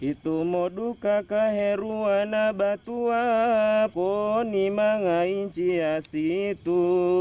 itu modu kakak heruana batua poni manga inci asitu